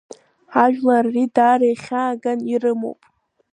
Ҳажәлар ари даара ихьааган ирымоуп.